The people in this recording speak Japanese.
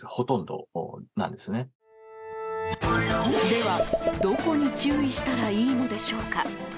では、どこに注意したらいいのでしょうか。